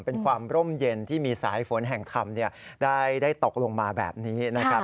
เป็นความร่มเย็นที่มีสายฝนแห่งธรรมได้ตกลงมาแบบนี้นะครับ